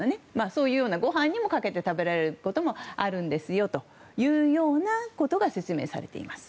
そういうようなご飯にもかけて食べられることもあるというようなことが説明されています。